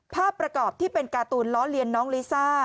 ภาพประกอบที่เป็นการ์ตูนล้อเลียนน้องลิซ่า